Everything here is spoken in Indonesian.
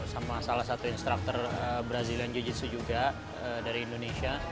sama salah satu instructor brazilian jiu jitsu juga dari indonesia